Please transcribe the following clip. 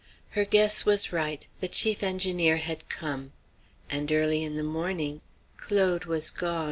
Her guess was right: the chief engineer had come. And early in the morning Claude was gone. CHAPTER V.